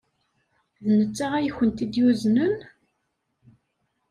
D netta ay kent-id-yuznen?